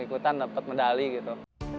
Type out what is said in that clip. ikutan dapat medali gitu